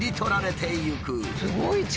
すごい力！